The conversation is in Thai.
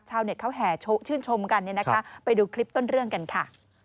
ชาวเน็ตเขาแห่ชื่นชมกันเนี่ยนะคะไปดูคลิปต้นเรื่องกันค่ะ